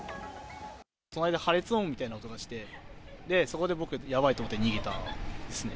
隣で破裂音みたいな音がして、で、そこで僕、やばいと思って逃げたんですね。